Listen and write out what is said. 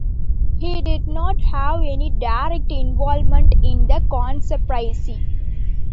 He didn't have any direct involvement in the conspiracy.